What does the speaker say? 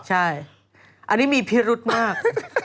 ใช่อันนี้มีพิรุธมาก